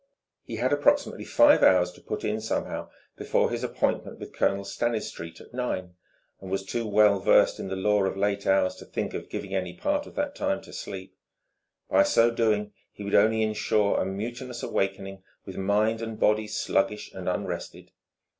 He had approximately five hours to put in somehow before his appointment with Colonel Stanistreet at nine, and was too well versed in the lore of late hours to think of giving any part of that time to sleep. By so doing he would only insure a mutinous awakening, with mind and body sluggish and unrested.